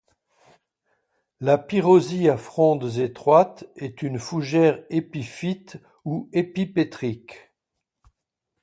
La pyrrosie à frondes étroides est une fougère épiphyte ou épipétrique.